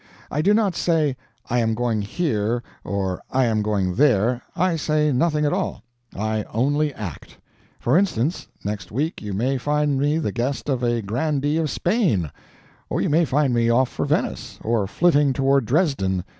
I do not say, "I am going here, or I am going there" I say nothing at all, I only act. For instance, next week you may find me the guest of a grandee of Spain, or you may find me off for Venice, or flitting toward Dresden.